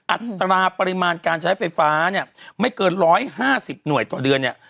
อัตราปริมาณการใช้ไฟฟ้าเนี่ยไม่เกิน๑๕๐หน่วยต่อเดือนเนี่ย